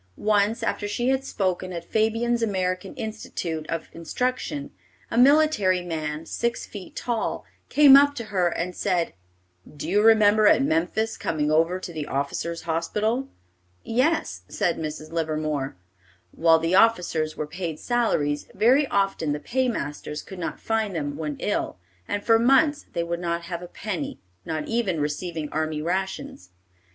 Once, after she had spoken at Fabyan's American Institute of Instruction, a military man, six feet tall, came up to her and said, "Do you remember at Memphis coming over to the officers' hospital?" "Yes," said Mrs. Livermore. While the officers were paid salaries, very often the paymasters could not find them when ill, and for months they would not have a penny, not even receiving army rations.